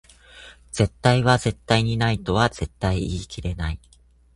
絶対は絶対にないとは絶対言い切れない